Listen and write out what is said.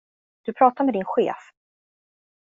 Du pratar med din chef.